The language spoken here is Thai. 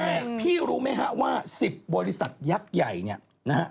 แต่พี่รู้ไหมฮะว่า๑๐บริษัทยักษ์ใหญ่เนี่ยนะฮะ